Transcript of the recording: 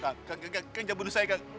kang jangan bunuh saya